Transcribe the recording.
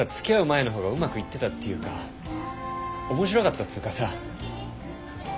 前の方がうまくいってたっていうか面白かったつぅかさ。